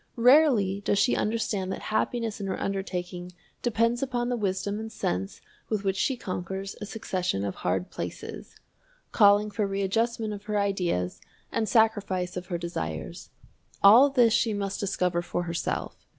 Rarely does she understand that happiness in her undertaking depends upon the wisdom and sense with which she conquers a succession of hard places calling for readjustment of her ideas and sacrifice of her desires. All this she must discover for herself.